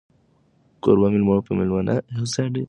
کوربه مېلمنو ته په مینه د هوسا ډوډۍ خوړلو ناره وکړه.